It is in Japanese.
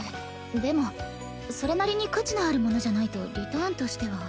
でもそれなりに価値のあるものじゃないとリターンとしては。